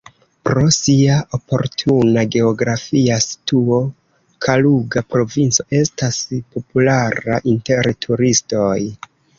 Pro sia oportuna geografia situo Kaluga provinco estas populara inter turistoj.